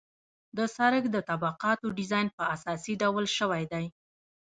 د سرک د طبقاتو ډیزاین په اساسي ډول شوی دی